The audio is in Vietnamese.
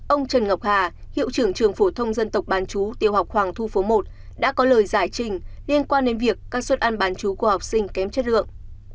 ông trần ngọc hà hiệu trưởng trường phổ thông dân tộc bán chú tiểu học hoàng thu phố một đã có lời giải trình liên quan đến việc các suất ăn bán chú của học sinh kém chất lượng